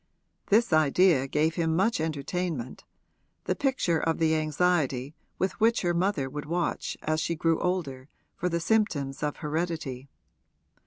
This idea gave him much entertainment the picture of the anxiety with which her mother would watch as she grew older for the symptoms of heredity.